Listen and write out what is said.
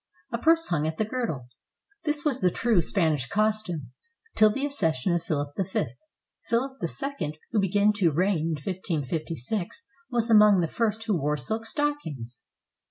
A purse hung at the girdle. This was the true Spanish costume till the accession of Philip V. Philip II, who began to reign in 1556, was among the first who wore silk stockings.